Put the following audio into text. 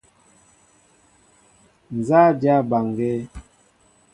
Nzá a dyâ mbaŋgēē?